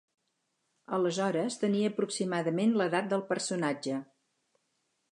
Aleshores tenia aproximadament l'edat del personatge.